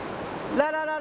「ララララ」。